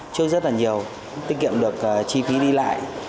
trước rất là nhiều tiết kiệm được chi phí đi lại